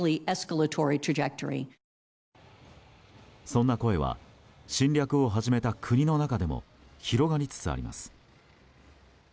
そんな声は侵略を始めた国の中でも広がりつつあります。